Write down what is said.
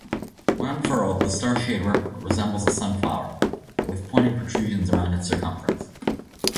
When unfurled, the starshade resembles a sunflower, with pointed protrusions around its circumference.